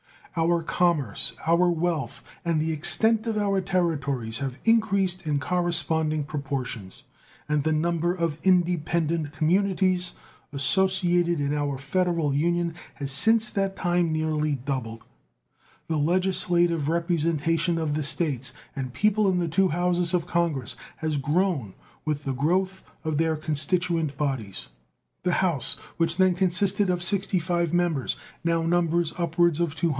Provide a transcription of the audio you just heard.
Our commerce, our wealth, and the extent of our territories have increased in corresponding proportions, and the number of independent communities associated in our Federal Union has since that time nearly doubled. The legislative representation of the States and people in the two Houses of Congress has grown with the growth of their constituent bodies. The House, which then consisted of 65 members, now numbers upward of 200.